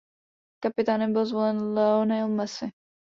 Kapitánem byl zvolen Lionel Messi.